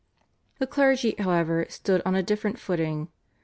The clergy, however, stood on a different footing.